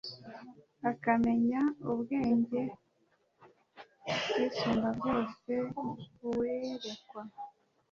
Akamenya ubwenge bw Isumbabyose Uwerekwa